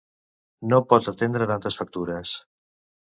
No pot atendre tantes factures.